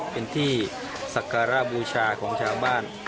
เป็นที่สักการะบูชาของชาวบ้าน